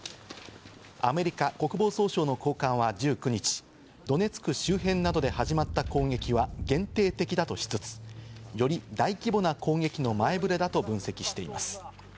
アメリカ国防総省の高官は１９日、ドネツク周辺などで始まった攻撃は限定的だとしつつ、より大規模な攻撃の前ぶれだと分析しています。